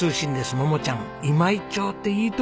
桃ちゃん今井町っていいとこだね。